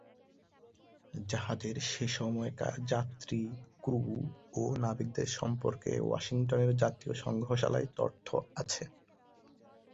জাহাজের সে সময়কার যাত্রী, ক্রু ও নাবিকদের সম্পর্কে ওয়াশিংটনের জাতীয় সংগ্রহশালায় তথ্য আছে।